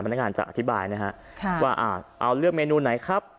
นักงานจะอธิบายนะฮะว่าเอาเลือกเมนูไหนครับ